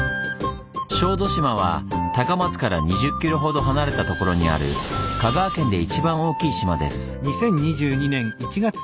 小豆島は高松から２０キロほど離れたところにある香川県で一番大きい島です。